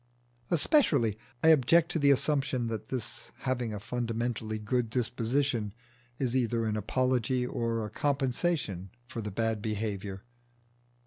Especially I object to the assumption that his having a fundamentally good disposition is either an apology or a compensation for his bad behaviour.